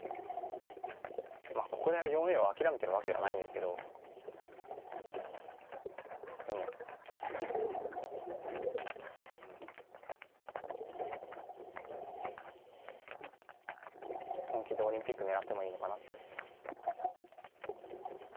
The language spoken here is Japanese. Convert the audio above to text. ここで４Ａを諦めているわけではないんですけどでも、本気でオリンピックを狙ってもいいのかなと思っています。